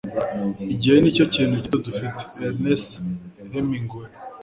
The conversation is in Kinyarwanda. igihe ni cyo kintu gito dufite. - ernest hemingway